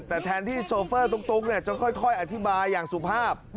แต่แทนที่โชเฟอร์ตุ๊กจะค่อยอธิบายอย่างสุภาพ